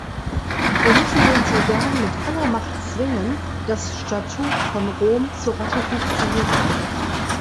Wir müssen den Sudan mit aller Macht zwingen, das Statut von Rom zu ratifizieren.